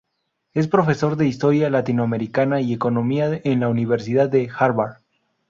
Es profesor de Historia Latinoamericana y Economía en la Universidad de Harvard.